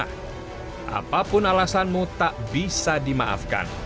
apapun alasanmu tak bisa dimaafkan